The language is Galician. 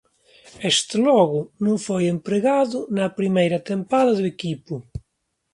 Este logo non foi empregado na primeira tempada do equipo.